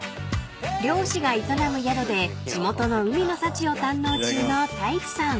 ［漁師が営む宿で地元の海の幸を堪能中の太一さん］